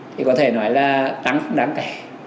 thì có thể nói là tăng không đáng kể